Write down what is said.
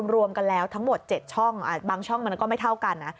รวมกันแล้วทั้งหมด๗ช่องบางช่องมันก็ไม่เท่ากันนะ